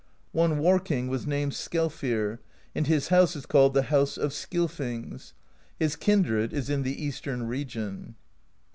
One war king was named Skelfir; and his house is called the House of Skilfings: his kindred is in the Eastern Region.